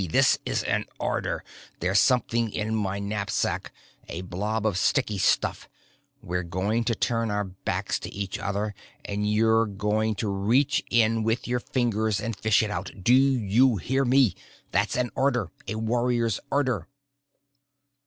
This is an order! There's something in my knapsack, a blob of sticky stuff. We're going to turn our backs to each other, and you're going to reach in with your fingers and fish it out. Do you hear me? That's an order a warrior's order!"